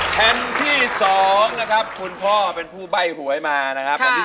แผ่นที่๒นะครับคุณพ่อเป็นผู้ใบ้หวยมานะครับแผ่นที่๒